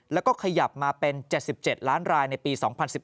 แล้วก็ขยับมาเป็น๗๗ล้านรายในปี๒๐๑๘